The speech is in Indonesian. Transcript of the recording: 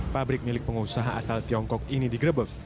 pabrik milik pengusaha asal tiongkok ini digrebek